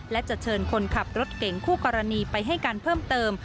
และจะเชิญคนขับรถเก่งคู่กรณีไปให้การเพิ่มเติม